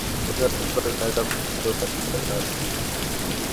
ugonjwa wa kisukari unaweza kutibiwa kwa tiba za asili